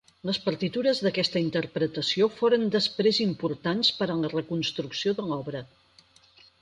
Les partitures d'aquesta interpretació foren després importants per a la reconstrucció de l'obra.